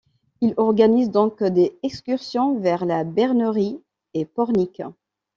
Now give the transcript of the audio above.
Il organise donc des excursions vers La Bernerie et Pornic.